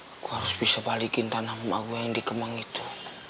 aku harus bisa balikin tanah ma gue yang dikembang itu